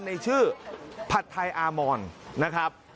ในชื่อผัดไทยอามอนนะครับ